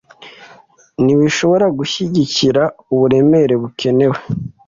ntibishobora gushyigikira uburemere bukenewe.